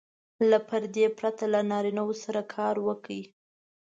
له پردې پرته له نارینه وو سره کار وکړي.